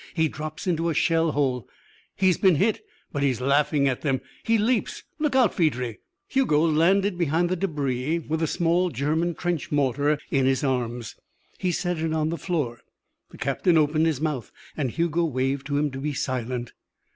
He drops into a shell hole. He has been hit, but he is laughing at them. He leaps. Look out, Phèdre!" Hugo landed behind the débris with a small German trench mortar in his arms. He set it on the floor. The captain opened his mouth, and Hugo waved to him to be silent.